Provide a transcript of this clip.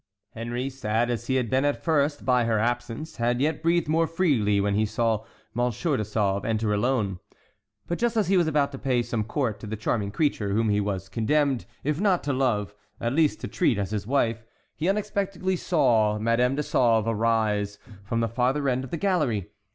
Henry, sad as he had at first been at her absence, had yet breathed more freely when he saw M. de Sauve enter alone; but just as he was about to pay some court to the charming creature whom he was condemned, if not to love, at least to treat as his wife, he unexpectedly saw Madame de Sauve arise from the farther end of the gallery.